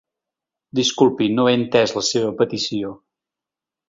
Disculpi, no he entès la seva peticiò.